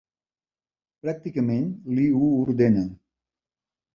Pràcticament li ho ordena.